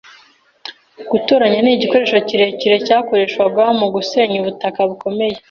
Gutoranya nigikoresho kirekire cyakoreshejwe mugusenya ubutaka bukomeye